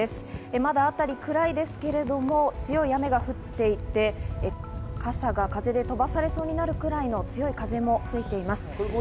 まだ辺りは暗いですけれども、強い雨が降っていて、傘が風で飛ばされそうになるくらいの強い風も吹いています。